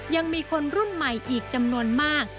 ยังมีคนรุ่นใหม่อีกจำนวนมาก